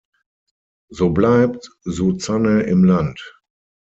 So bleibt Suzanne im Land.